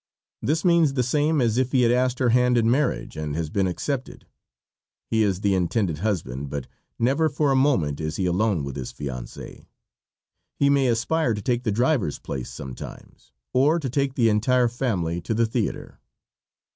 This means the same as if he had asked her hand in marriage and has been accepted. He is the intended husband, but never for a moment is he alone with his fiancee. He may aspire to take the driver's place sometimes, or to take the entire family to the theater.